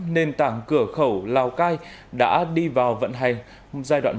nền tảng cửa khẩu lào cai đã đi vào vận hành giai đoạn một